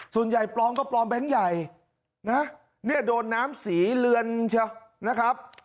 ปลอมก็ปลอมแบงค์ใหญ่นะเนี่ยโดนน้ำสีเลือนเชียวนะครับ